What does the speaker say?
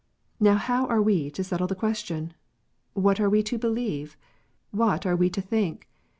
Xow how are we to settle the question? What are we to believe? What are we to think